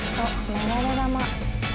『流れ弾』。